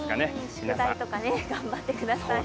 宿題とか頑張ってください。